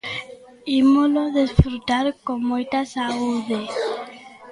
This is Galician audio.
Ímolo desfrutar con moita saúde.